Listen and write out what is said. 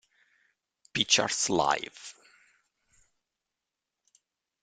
Pictures Live!